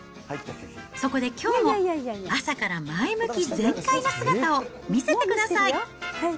そこできょうも、朝から前向き全開な姿を見せてください。